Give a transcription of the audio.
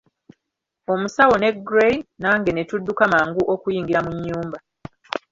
Omusawo ne Gray nange ne tudduka mangu okuyingira mu nnyumba.